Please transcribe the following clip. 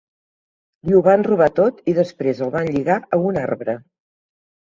Li ho van robar tot i després el van lligar a un arbre.